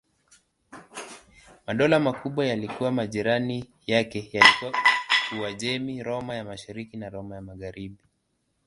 Madola makubwa yaliyokuwa majirani yake yalikuwa Uajemi, Roma ya Mashariki na Roma ya Magharibi.